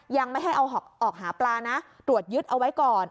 ยังไม่ให้เอาออกหาปลานะตรวจยึดเอาไว้ก่อน